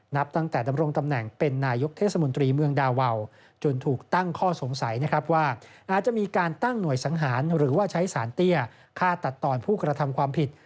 นับตั้งแต่ดำรงตำแหน่งเป็นนายกเทศมนตรีเมืองดาวาวจนถูกตั้งข้อสงสัยนะครับว่าอาจจะมีการตั้งหน่วยสังหารหรือว่าใช้สารเตี้ยฆ่าตัดตอนผู้กระทำความผิด